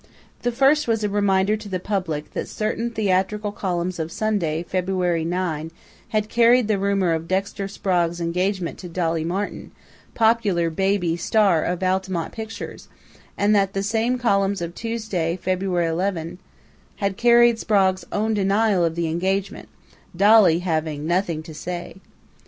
The first was a reminder to the public that certain theatrical columns of Sunday, February 9, had carried the rumor of Dexter Sprague's engagement to Dolly Martin, popular "baby" star of Altamont Pictures, and that the same columns of Tuesday, February 11, had carried Sprague's own denial of the engagement Dolly having "nothing to say."